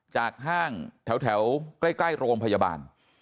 ห้างแถวใกล้โรงพยาบาล